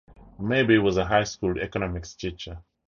Maybury was a high school economics teacher.